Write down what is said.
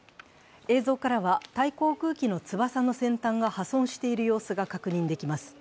映像からはタイ航空機の翼の先端が破損している様子が確認できます。